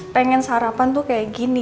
pengen sarapan tuh kayak gini